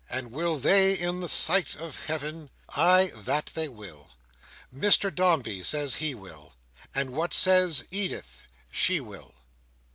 And will they in the sight of heaven—? Ay, that they will: Mr Dombey says he will. And what says Edith? She will.